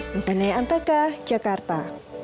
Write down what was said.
misalnya antaka jakarta